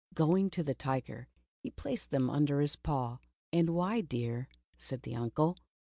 Going to the tiger, he placed them under his paw. "And why, dear?" said his uncle.